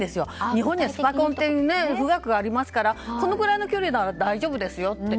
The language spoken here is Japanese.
日本にはスパコンの「富岳」がありますからこれぐらいの距離なら大丈夫ですよって。